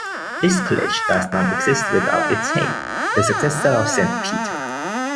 This college does not exist without its head, the successor of Saint Peter.